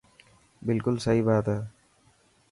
بلڪل سهي بات هي.